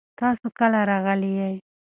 تاسو کله راغلي یئ؟